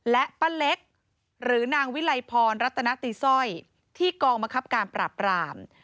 และป้าเล็กหรือนางวิลัยพรรัตนตีสร้อยที่กองบังคับการปราบราม